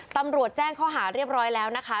ตำรวจแจ้งข้อหาเรียบร้อยแล้วนะคะ